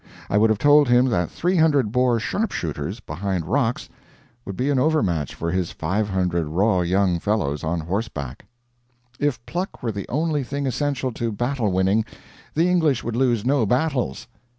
I would have told him that 300 Boer sharpshooters behind rocks would be an overmatch for his 500 raw young fellows on horseback. If pluck were the only thing essential to battle winning, the English would lose no battles.